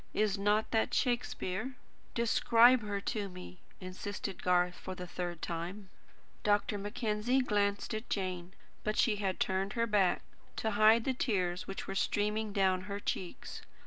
Is not that Shakespeare?" "Describe her to me," insisted Garth, for the third time. Dr. Mackenzie glanced at Jane. But she had turned her back, to hide the tears which were streaming down her cheeks.